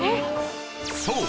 ［そう。